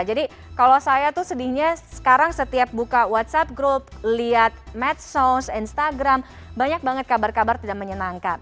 jadi kalau saya tuh sedihnya sekarang setiap buka whatsapp group lihat medsos instagram banyak banget kabar kabar tidak menyenangkan